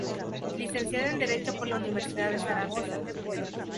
Licenciada en Derecho por la Universidad de Zaragoza.